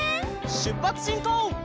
しゅっぱつしんこう！